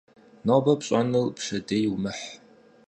Нобэ пщӏэнур пщэдей умыхь.